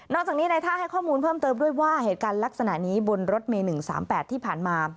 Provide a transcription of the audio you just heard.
จากนี้ในท่าให้ข้อมูลเพิ่มเติมด้วยว่าเหตุการณ์ลักษณะนี้บนรถเมย์๑๓๘ที่ผ่านมา